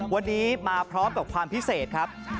วันนี้มาพร้อมกับความพิเศษครับ